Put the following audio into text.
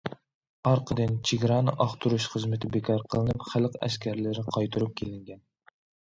ئارقىدىن چېگرانى ئاختۇرۇش خىزمىتى بىكار قىلىنىپ، خەلق ئەسكەرلىرى قايتۇرۇپ كېلىنگەن.